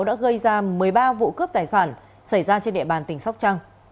đã gây ra một mươi ba vụ cướp tài sản xảy ra trên địa bàn tỉnh